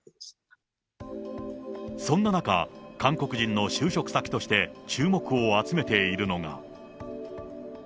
節約、そんな中、韓国人の就職先として注目を集めているのが。